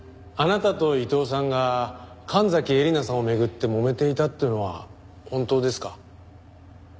あなたと伊藤さんが神崎えりなさんを巡ってもめていたっていうのは本当ですか？